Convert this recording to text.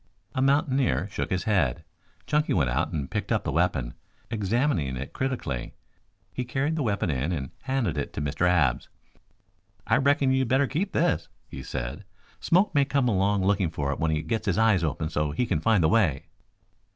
A mountaineer shook his head. Chunky went out and picked up the weapon, examining it critically. He carried the weapon in and handed it to Mr. Abs. "I reckon you'd better keep this," he said. "Smoke may come along looking for it when he gets his eyes open so he can find the way."